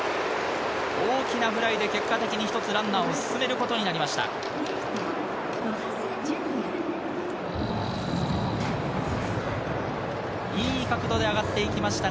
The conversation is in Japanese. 大きなフライで結果的に一つランナーを進めることになりました。